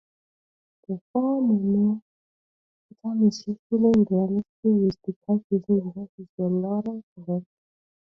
The four-momentum is useful in relativistic calculations because it is a Lorentz vector.